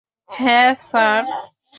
হ্যা, স্যার!